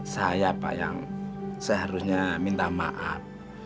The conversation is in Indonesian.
saya pak yang seharusnya minta maaf